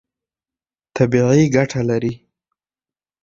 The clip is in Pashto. طبیعي ګټه لري.